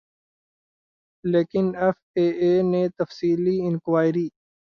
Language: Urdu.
لیکن ایف اے اے نے تفصیلی انکوائری